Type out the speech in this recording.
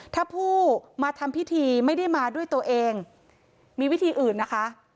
ถ้าผู้มาทำพิธีไม่ได้มาด้วยตัวเองมีวิธีอื่นนะคะ